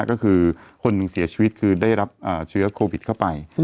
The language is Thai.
ก็คือคนหนึ่งเสียชีวิตคือได้รับเชื้อโควิดเข้าไป